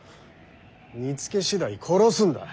見つけ次第殺すんだ。